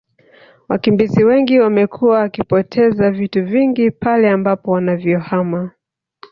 Wakimbizi wengi wamekuwa wakipoteza vitu vingi pale ambapo wanavyohama